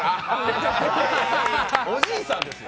おじいさんですよ！